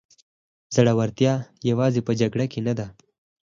زړورتیا یوازې په جګړه نه ده.